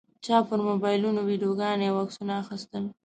چا پر موبایلونو ویډیوګانې او عکسونه اخیستل.